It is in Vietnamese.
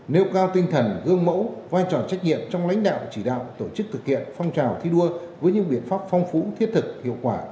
nêu cao tinh thần gương mẫu vai trò trách nhiệm trong lãnh đạo chỉ đạo tổ chức thực hiện phong trào thi đua với những biện pháp phong phú thiết thực hiệu quả